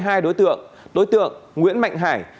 hai đối tượng đối tượng nguyễn mạnh hải